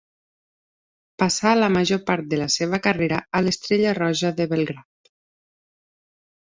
Passà la major part de la seva carrera a l'Estrella Roja de Belgrad.